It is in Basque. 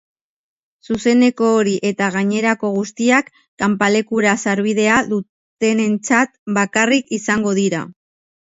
Zuzeneko hori eta gainerako guztiak kanpalekura sarbidea dutenentzat bakarrik izango dira.